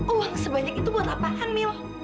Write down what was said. uang sebanyak itu buat apaan mil